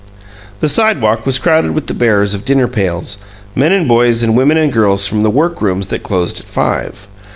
The sidewalk was crowded with the bearers of dinner pails, men and boys and women and girls from the work rooms that closed at five.